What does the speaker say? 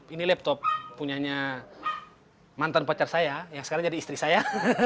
ini laptop punyanya mantan pacar saya yang sekarang jadi istri saya